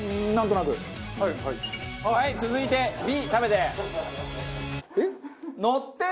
はい続いてＢ食べて。